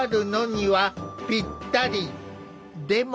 でも。